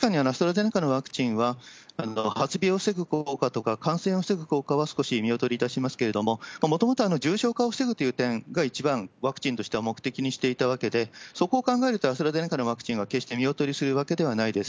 確かにアストラゼネカのワクチンは発病を防ぐ効果とか、感染を防ぐ効果は少し見劣りいたしますけれども、もともと重症化を防ぐという点が、一番ワクチンとしては目的にしていたわけで、そこを考えると、アストラゼネカのワクチンは決して見劣りするわけではないです。